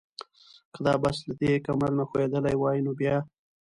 که دا بس له دې کمر نه ښویېدلی وای نو بیا؟